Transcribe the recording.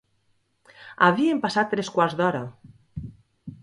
Havien passat tres quarts d'hora...